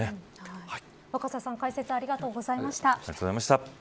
若狭さん解説ありがとうございました。